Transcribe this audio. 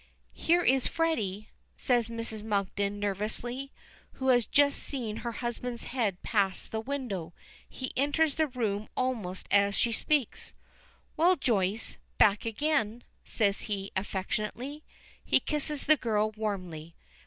"Here is Freddy," says Mrs. Monkton, nervously, who has just seen her husband's head pass the window. He enters the room almost as she speaks. "Well, Joyce, back again," says he, affectionately. He kisses the girl warmly.